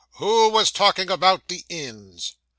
who was talking about the inns?